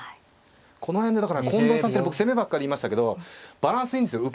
この辺でだから近藤さんって僕攻めばっかり言いましたけどバランスいいんですよ。